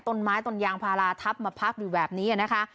ต้นไม้ต้นยางพาราทับมาพักอยู่แบบนี้นะคะ